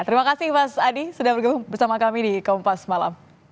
terima kasih mas adi sudah bergabung bersama kami di kompas malam